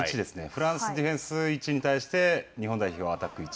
フランス、ディフェンス１に対して、日本代表はアタック１。